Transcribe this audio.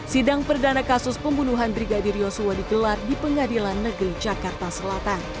sidang perdana kasus pembunuhan brigadir yosua digelar di pengadilan negeri jakarta selatan